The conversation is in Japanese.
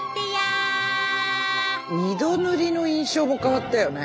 ２度塗りの印象も変わったよね。